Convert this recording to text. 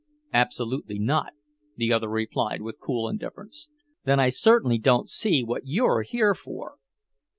"Absolutely not," the other replied with cool indifference. "Then I certainly don't see what you're here for!"